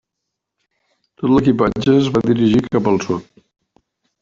Tot l'equipatge es va dirigir cap al sud.